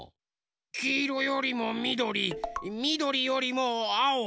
きいろよりもみどりみどりよりもあお。